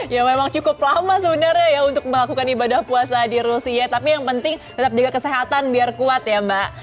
ya memang cukup lama sebenarnya ya untuk melakukan ibadah puasa di rusia tapi yang penting tetap jaga kesehatan biar kuat ya mbak